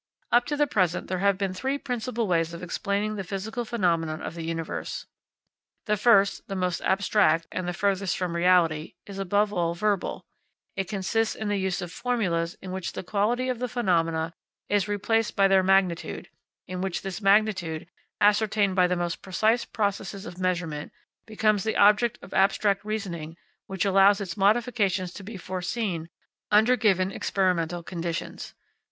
Up to the present there have been three principal ways of explaining the physical phenomena of the universe. The first, the most abstract, and the furthest from reality, is above all verbal. It consists in the use of formulas in which the quality of the phenomena is replaced by their magnitude, in which this magnitude, ascertained by the most precise processes of measurement, becomes the object of abstract reasoning which allows its modifications to be foreseen under given experimental conditions.